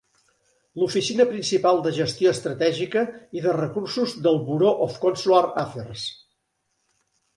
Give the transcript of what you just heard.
L'oficina principal de gestió estratègica i de recursos del Bureau of Consular Affairs.